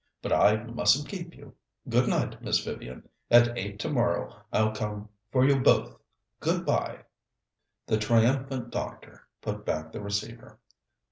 But I mustn't keep you. Good night, Miss Vivian. At eight tomorrow I'll come for you both. Good bye." The triumphant doctor put back the receiver.